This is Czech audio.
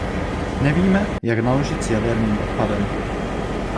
Nevíme, jak naložit s jaderným odpadem.